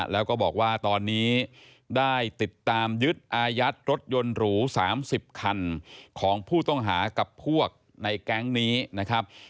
แล้วก็บอกว่าตอนนี้ได้ติดตามยึดอายัดรถยนต์หรู๓๐คันของผู้ต้องหากับพวกในแก๊งนี้นะครับ